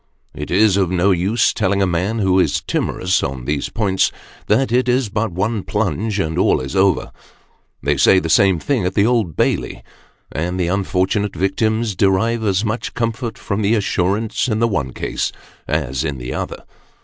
It is of no use telling a man who is timorous on these points, that it is but one plunge, and all is over. They say the same thing at the Old Bailey, and the unfortunate Mr. Watkins Tottle. 327 victims derive as much comfort from the assurance in the one case as in the other.